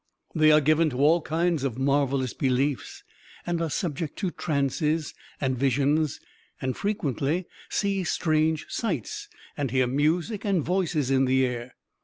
They are given to all kinds of marvelous beliefs; are subject to trances and visions, and frequently see strange sights, and hear music and voices in the air.